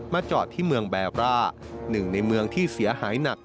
จอดที่เมืองแบร่าหนึ่งในเมืองที่เสียหายหนัก